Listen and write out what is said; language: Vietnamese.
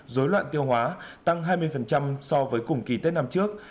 dối loạn tiêu hóa tăng hai mươi so với cùng kỳ tết năm trước